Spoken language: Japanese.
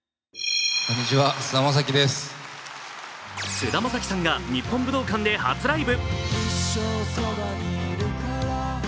菅田将暉さんが日本武道館で初ライブ。